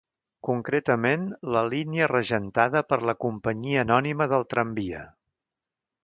Concretament la línia regentada per la Companyia Anònima del Tramvia.